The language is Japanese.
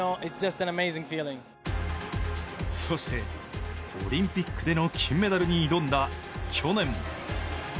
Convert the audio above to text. そしてオリンピックでの金メダルに挑んだ、去年。